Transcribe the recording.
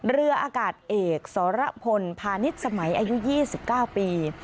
เรืออากาศเอกสรพลพาณิชย์สมัยอายุ๒๙ปี